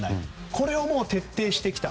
これを徹底してきた。